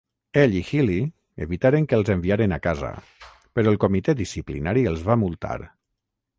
Ell i Healey evitaren que els enviaren a casa, però el comitè disciplinari els va multar.